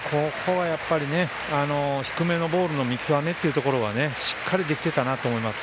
低めのボールの見極めというところがしっかりできてたなと思います。